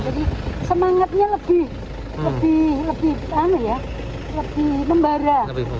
jadi semangatnya lebih lebih lebih apa ya lebih membara